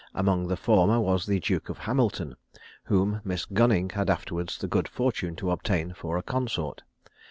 Among the former was the Duke of Hamilton, whom Miss Gunning had afterwards the good fortune to obtain for a consort.